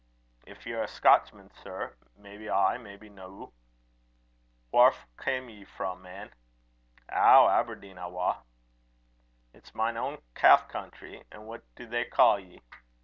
"If ye're a Scotchman, sir may be ay, may be no." "Whaur come ye frae, man?" "Ou, Aberdeen awa." "It's mine ain calf country. An' what do they ca' ye?"